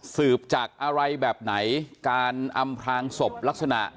สืบจากอะไรแบบไหนการอำพลางศพลักษณะ